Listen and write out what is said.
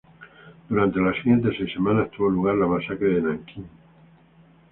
Durante las siguientes seis semanas tuvo lugar la masacre de Nankín.